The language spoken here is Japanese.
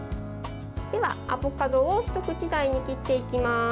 では、アボカドを一口大に切っていきます。